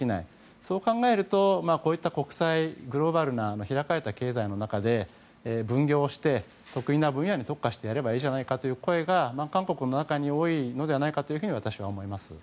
そう考えると、こういったグローバルな開かれた経済の中で分業して得意な分野に特化してやればいいじゃないかという声が韓国の中で多いと私は思います。